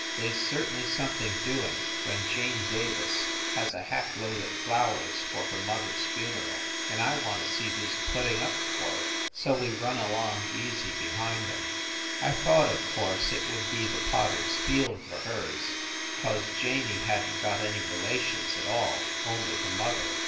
They s certainly something doing when Jane Davis has a hack load of flowers for her mother s funeral, and I want to see who s putting up for it !" So we run along easy behind em. I thought, of course, it would be the potter s field for hers, cause Janey hadn t got any relations at all only her mother.